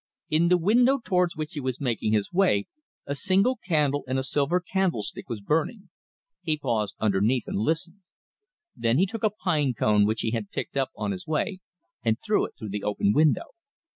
In the window towards which he was making his way a single candle in a silver candlestick was burning. He paused underneath and listened. Then he took a pine cone which he had picked up on his way and threw it through the open window.